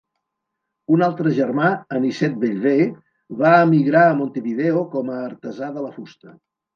Un altre germà, Anicet Bellver, va emigrar a Montevideo com a artesà de la fusta.